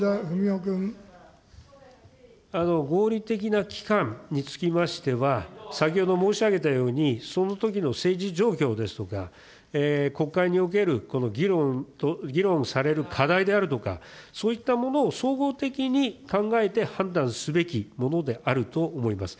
合理的な期間につきましては、先ほど申し上げたように、そのときの政治状況ですとか、国会におけるこの議論される課題であるとか、そういったものを総合的に考えて判断すべきものであると思います。